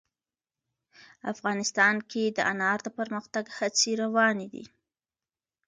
افغانستان کې د انار د پرمختګ هڅې روانې دي.